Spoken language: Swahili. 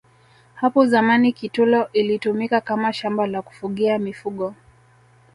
hapo zamani kitulo ilitumika Kama shamba la kufugia mifugo